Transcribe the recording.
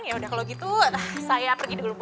yaudah kalau gitu saya pergi dulu bu